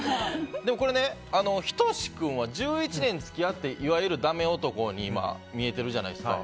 でもこれ、仁君は１１年付き合っていわゆるダメ男に見えてるじゃないですか。